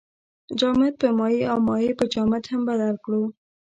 جامد په مایع او مایع په جامد هم بدل کړو.